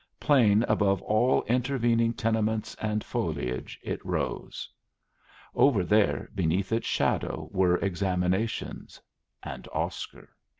Plain above all intervening tenements and foliage it rose. Over there beneath its shadow were examinations and Oscar.